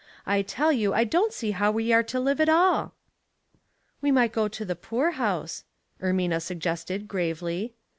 I tell you I don't see how we are to live at all." "We might go to the poor house," Ermina suggested, gravely.